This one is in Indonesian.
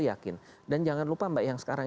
yakin dan jangan lupa mbak yang sekarang